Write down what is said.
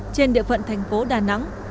trên địa phận thành phố đà nẵng